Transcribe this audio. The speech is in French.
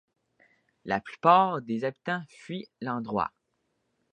La plupart des habitants fuient l'endroit.